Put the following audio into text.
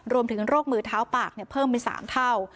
รวมถึงโรคมือเท้าปากเพิ่มเป็น๓เท่า